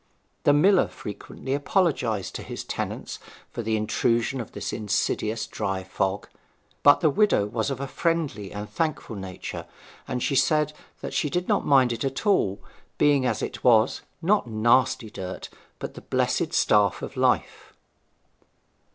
The miller frequently apologized to his tenants for the intrusion of this insidious dry fog; but the widow was of a friendly and thankful nature, and she said that she did not mind it at all, being as it was, not nasty dirt, but the blessed staff of life.